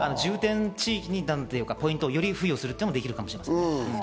重点地域にポイントをより付与することもできるかもしれません。